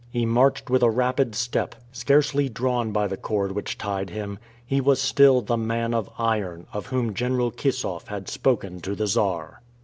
He marched with a rapid step, scarcely drawn by the cord which tied him. He was still "the Man of Iron," of whom General Kissoff had spoken to the Czar!